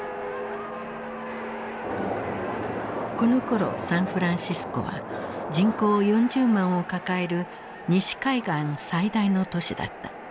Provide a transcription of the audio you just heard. このころサンフランシスコは人口４０万を抱える西海岸最大の都市だった。